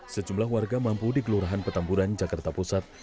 sejumlah warga mampu di kelurahan petamburan jakarta pusat